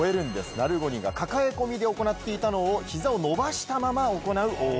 ナゴルニーが抱え込みで行っていたのを膝を伸ばしたまま行う大技。